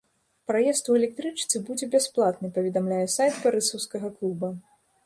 Праезд у электрычцы будзе бясплатны, паведамляе сайт барысаўскага клуба.